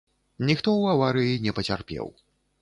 Ніхто ў аварыі не пацярпеў.